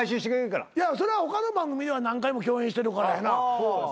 それは他の番組では何回も共演してるからやな。